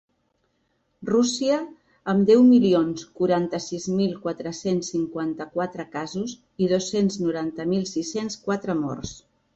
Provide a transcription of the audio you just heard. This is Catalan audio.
Rússia, amb deu milions quaranta-sis mil quatre-cents cinquanta-quatre casos i dos-cents noranta mil sis-cents quatre morts.